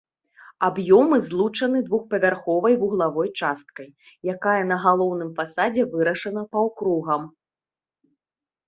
Аб'ёмы злучаны двухпавярховай вуглавой часткай, якая на галоўным фасадзе вырашана паўкругам.